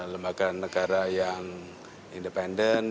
lembaga negara yang independen